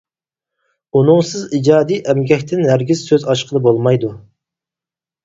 ئۇنىڭسىز ئىجادىي ئەمگەكتىن ھەرگىز سۆز ئاچقىلى بولمايدۇ.